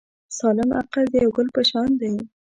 سالم عقل د یو ګل په شان دی.